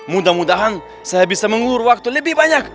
mudah mudahan saya bisa mengurur waktu lebih banyak